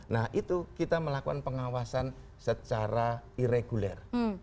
nah itu kita melakukan pengawasan secara ireguler